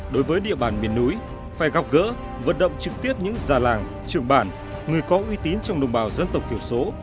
đối với địa bàn miền núi phải gặp gỡ vận động trực tiếp những già làng trưởng bản người có uy tín trong đồng bào dân tộc thiểu số